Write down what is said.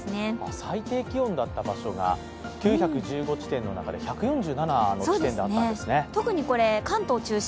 最低気温だった場所が９１５地点の中で、１４７地点あったんですね。